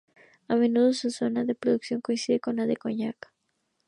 A menudo su zona de producción coincide con la del Coñac.